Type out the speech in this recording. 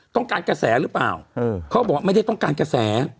กระแสหรือเปล่าเขาบอกว่าไม่ได้ต้องการกระแส